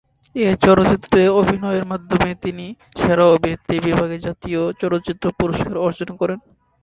এ চলচ্চিত্রে অভিনয়ের মাধ্যমে তিনি সেরা অভিনেত্রী বিভাগে জাতীয় চলচ্চিত্র পুরস্কার অর্জন করেন।